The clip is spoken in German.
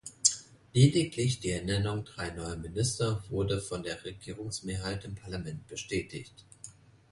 Lediglich die Ernennung drei neuer Minister wurde von der Regierungsmehrheit im Parlament bestätigt.